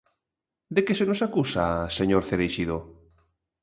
¿De que se nos acusa, señor Cereixido?